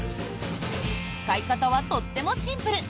使い方はとってもシンプル。